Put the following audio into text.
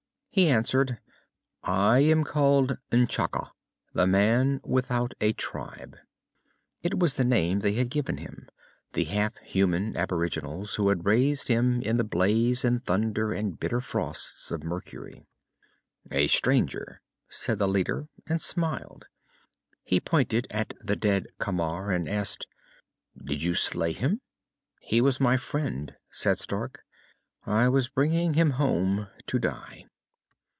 He answered, "I am called N'Chaka, the Man Without a Tribe." It was the name they had given him, the half human aboriginals who had raised him in the blaze and thunder and bitter frosts of Mercury. "A stranger," said the leader, and smiled. He pointed at the dead Camar and asked, "Did you slay him?" "He was my friend," said Stark, "I was bringing him home to die."